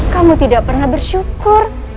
kamu tidak pernah bersyukur